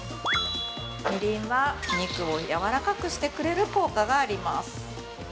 みりんは、肉をやわらかくしてくれる効果があります。